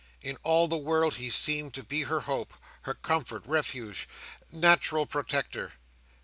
In all the world, he seemed to be her hope, her comfort, refuge, natural protector.